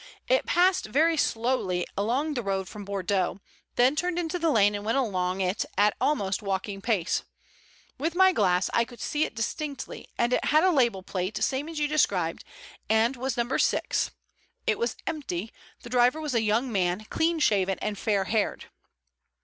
It passed very slowly along the road from Bordeaux, then turned into the lane and went along it at almost walking pace. With my glass I could see it distinctly and it had a label plate same as you described, and was No. 6. It was empty. The driver was a young man, clean shaven and fairhaired.